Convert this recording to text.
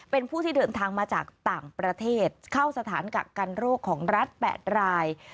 เป็นผู้ที่เดินทางมาจากต่างประเทศเข้าสถานกักกันโรคของรัฐ๘ราย